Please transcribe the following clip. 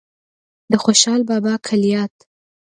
د خوشال بابا کلیات